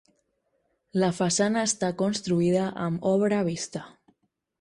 La façana està construïda amb obra vista.